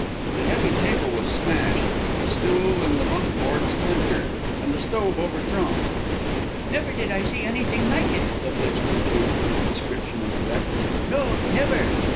The heavy table was smashed, the stool and the bunk board splintered, and the stove over thrown. "Never did I see anything like it," La Flitche concluded his description of the wreck. "No, never."